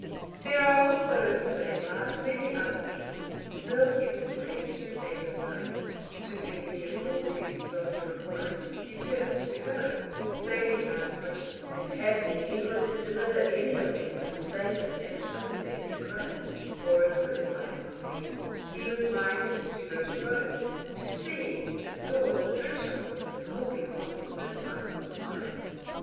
(815) There are also in the same parts many other peoples still enslaved to pagan rites, to whom the aforesaid soldier of Christ determined to go, sailing round Britain, if haply he could deliver any of them from Satan, and bring them to Christ; or if this might not be, he was minded to go to Rome, to see and adore the thresholds of the holy Apostles and martyrs of Christ.